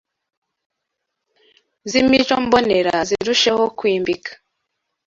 z’imico mbonera zirusheho kwimbika